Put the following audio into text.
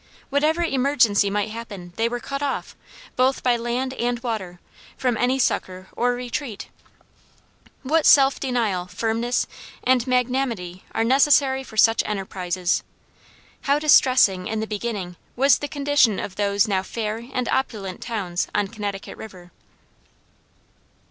Whatever emergency might happen, they were cut off, both by land and water, from any succor or retreat. What self denial, firmness, and magnanimity are necessary for such enterprises! How distressing, in the beginning, was the condition of those now fair and opulent towns on Connecticut River!